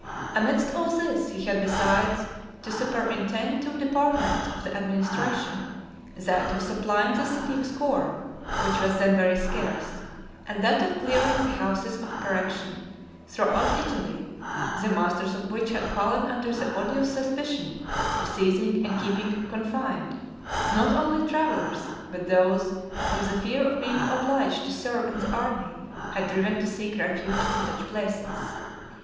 Amidst all this, he had besides to superintend two departments of the administration, that of supplying the city with corn, which was then very scarce, and that of clearing the houses of correction throughout Italy, the masters of which had fallen under the odious suspicion of seizing and keeping confined, not only travellers, but those whom the fear of being obliged to serve in the army had driven to seek refuge in such places.